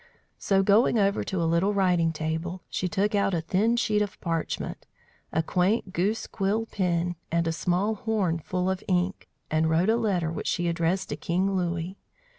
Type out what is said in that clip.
So going over to a little writing table, she took out a thin sheet of parchment, a quaint goose quill pen, and a small horn full of ink, and wrote a letter which she addressed to King Louis.